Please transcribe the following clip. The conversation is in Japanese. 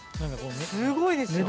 すごいですよ。